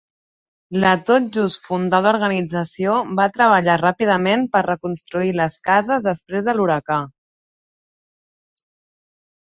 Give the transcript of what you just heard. La tot just fundada organització va treballar ràpidament per reconstruir les cases després de l'huracà.